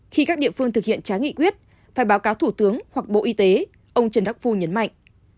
khi các địa phương thực hiện trá nghị quyết phải báo cáo thủ tướng hoặc bộ y tế ông trần đắc phu nhấn mạnh